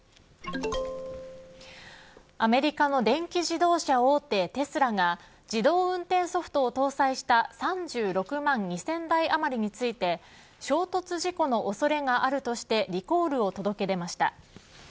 アメリカの電気自動車大手テスラが自動運転ソフトを搭載した３６万２０００台余りについて衝突事故の恐れがあるとしてリコールを届け出ました。